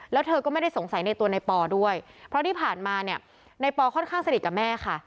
แล้วเธอก็ไม่ได้สงสัยในตัวในปอด้วยเพราะที่ผ่านมาเนี่ยในปอค่อนข้างสนิทกับแม่ค่ะ